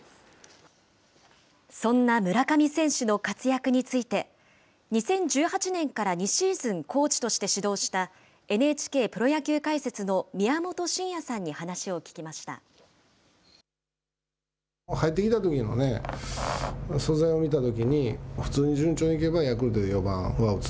そんな村上選手の活躍について、２０１８年から２シーズンコーチとして指導した、ＮＨＫプロ野球解説の宮本慎也さんに話を聞きました。